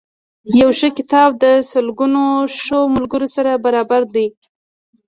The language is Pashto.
یو ښه کتاب د سلګونو ښو ملګرو سره برابر دی.